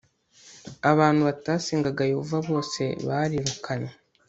abantu batasengaga yehova bose barirukanywe